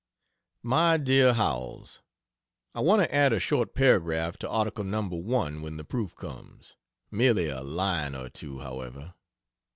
MY DEAR HOWELLS, I want to add a short paragraph to article No. 1, when the proof comes. Merely a line or two, however.